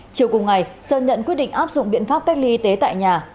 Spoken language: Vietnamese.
chiều cùng ngày sơn nhận quyết định áp dụng biện pháp cách ly y tế tại nhà